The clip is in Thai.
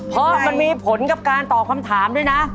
เพราะมันมีผลกับการตอบคำถามด้วยนะ